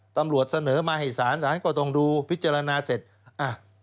ตำรวจเสนอมาให้ศาลศาลก็ต้องดูพิจารณาเสร็จอ่ะ